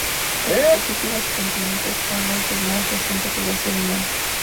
Estos dos últimos continentes son los de más reciente población humana.